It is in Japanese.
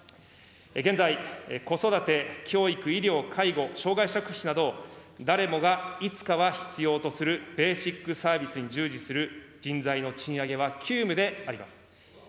現在、子育て、教育、医療、介護、障害者福祉など、誰もがいつかは必要とするベーシックサービスに従事する人材の賃上げは急務であります。